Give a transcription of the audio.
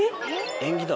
縁起だ。